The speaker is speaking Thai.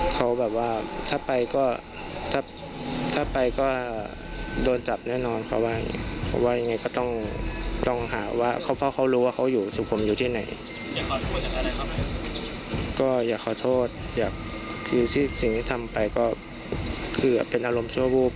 ก็อยากขอโทษคือที่สิ่งที่ทำไปก็คือเป็นอารมณ์ชั่ววูบ